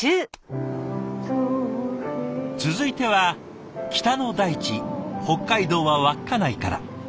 続いては北の大地北海道は稚内から。